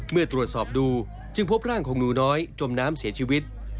เมื่อตรวจสอบดูจึงพบร่างของหนูน้อยจมน้ำเสียชีวิต